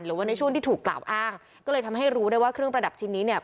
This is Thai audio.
หรือว่าในช่วงที่ถูกกล่าวอ้างก็เลยทำให้รู้ได้ว่าเครื่องประดับชิ้นนี้เนี่ย